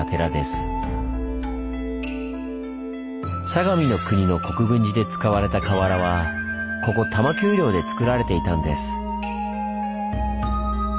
相模国の国分寺で使われた瓦はここ多摩丘陵でつくられていたんです。